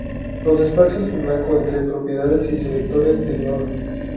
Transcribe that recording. Los espacios en blanco entre propiedades y selectores se ignoran.